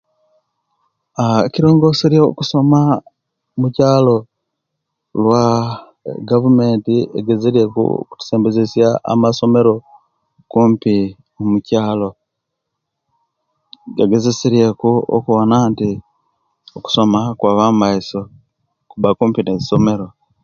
Aaah ekirongosere okusoma mukyaalo lwa'gavumenti egezeryeeku okutusembezya amasomero kumpi mukyaalo, gagezeseryeku okuwona nti okusoma kwaba maiso, kuba kumpi neisomero.